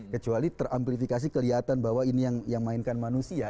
kecuali ter amplifikasi kelihatan bahwa ini yang mainkan manusia